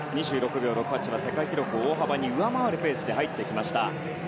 ２６秒６８は世界記録を大幅に上回るペースで入ってきました。